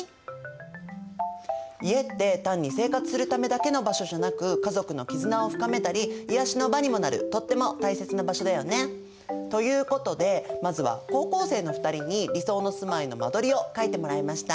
家って単に生活するためだけの場所じゃなく家族の絆を深めたり癒やしの場にもなるとっても大切な場所だよね。ということでまずは高校生の２人に理想の住まいの間取りを描いてもらいました。